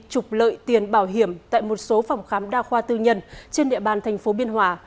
trục lợi tiền bảo hiểm tại một số phòng khám đa khoa tư nhân trên địa bàn thành phố biên hòa